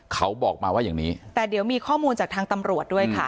เขาบอกมาว่าอย่างนี้แต่เดี๋ยวมีข้อมูลจากทางตำรวจด้วยค่ะ